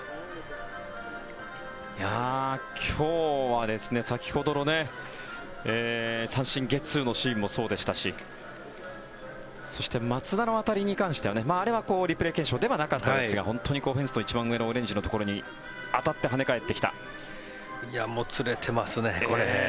今日は先ほどの三振ゲッツーのシーンもそうでしたしそして松田の当たりに関してはあれはリプレー検証ではなかったですが本当にフェンスの一番上のオレンジのところに当たってもつれてますね、これ。